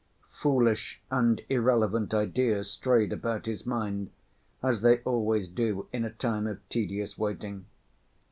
Foolish and irrelevant ideas strayed about his mind, as they always do in a time of tedious waiting.